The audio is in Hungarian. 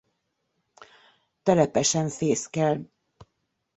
Telepesen fészkel.